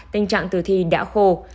tình trạng từ thi đã khô